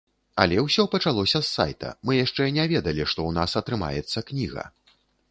Але ўсё пачалося з сайта, мы яшчэ не ведалі, што ў нас атрымаецца кніга.